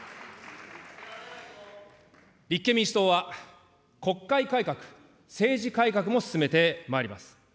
立憲民主党は国会改革、政治改革も進めてまいります。